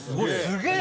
すげえ！